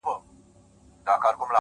هره ورځ د بدلون نوې دروازه پرانیزي